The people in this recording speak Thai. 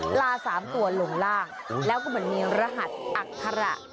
ปลา๓ตัวลงร่างแล้วก็มันมีรหัสอักภาระ